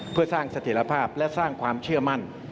เพื่อสร้างเสถียรภาพและสร้างความเชื่อมั่น